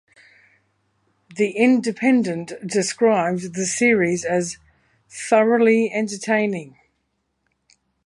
The Independent described the series as "thoroughly entertaining".